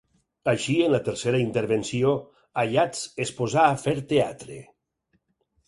Així, en la tercera intervenció, Ayats es posà a fer teatre.